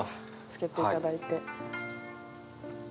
つけていただいて。